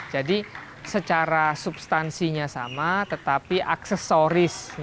jadi secara substansinya sama tetapi aksesornya sama